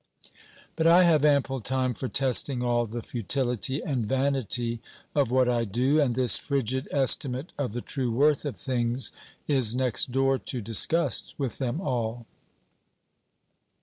But I have ample time for testing all the futility and vanity of what I do, and this frigid estimate of the true worth of things is next door to disgust with them all.